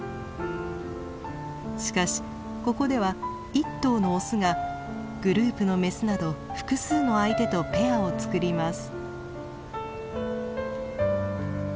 しかしここでは１頭のオスがグループのメスなど複数の相手とペアをつくります。